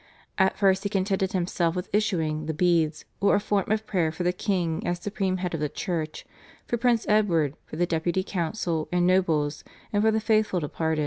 At first he contented himself with issuing the "bedes" or a form of prayer for the king as supreme head of the church, for Prince Edward, for the Deputy, council, and nobles, and for the faithful departed.